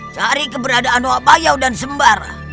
cari keberadaan wabayau dan sembara